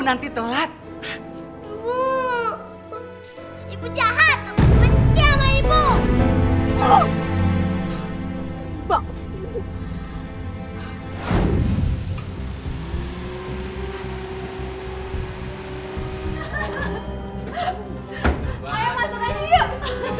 maya masuk aja yuk